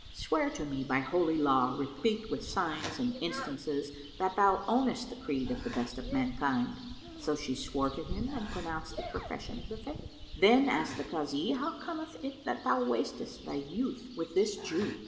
"Swear to me by Holy Law replete with signs and instances that thou ownest the creed of the Best of Mankind." So she swore to him and pronounced the profession of the Faith. Then asked the Kazi, "How cometh it that thou wastest thy youth with this Jew?"